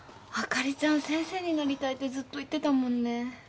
あかりちゃん先生になりたいってずっと言ってたもんね。